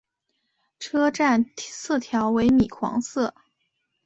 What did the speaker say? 车站色调为米黄色。